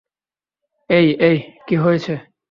এ্যাই, এ্যাই, কী হয়েছে?